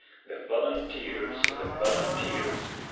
The Volunteers! the Volunteers!